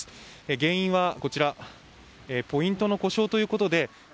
原因はこちらポイントの故障ということで。